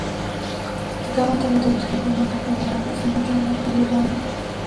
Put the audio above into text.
Abarcaba territorios que hoy forman parte de Arabia Saudita, Irak y Jordania.